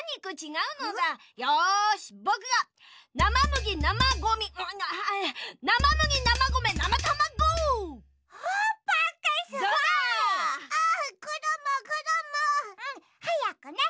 うんはやくね。